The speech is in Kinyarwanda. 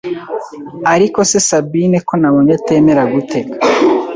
ariko se Sabine ko nabonye atemera gutega